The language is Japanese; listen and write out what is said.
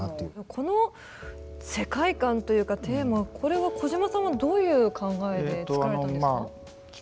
この世界観というかテーマこれは小島さんはどういう考えでつくられたんですか？